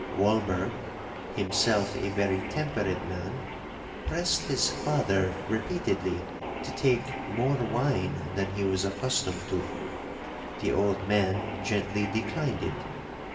Walberg (himself a very temperate man) pressed his father repeatedly to take more wine than he was accustomed to,—the old man gently declined it.